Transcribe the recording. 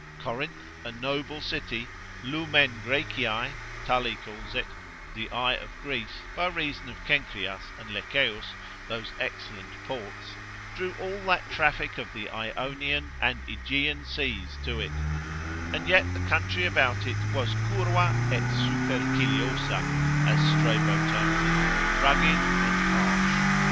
Corinth, a noble city (Lumen Greciae, Tully calls it) the Eye of Greece, by reason of Cenchreas and Lecheus, those excellent ports, drew all that traffic of the Ionian and Aegean seas to it; and yet the country about it was curva et superciliosa, as Strabo terms it, rugged and harsh.